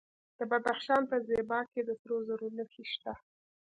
د بدخشان په زیباک کې د سرو زرو نښې شته.